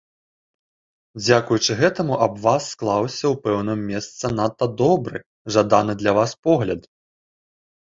Дзякуючы гэтаму аб вас склаўся ў пэўным месцы надта добры, жаданы для вас погляд.